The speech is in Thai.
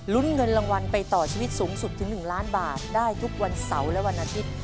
เงินรางวัลไปต่อชีวิตสูงสุดถึง๑ล้านบาทได้ทุกวันเสาร์และวันอาทิตย์